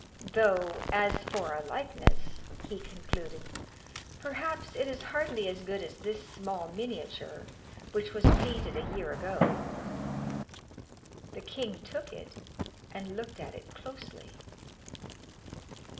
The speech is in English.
'Though, as for a likeness,' he concluded, 'perhaps it is hardly as good as this small miniature, which was painted a year ago.' The king took it, and looked at it closely.